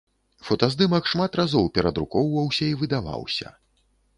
Фотаздымак шмат разоў перадрукоўваўся і выдаваўся.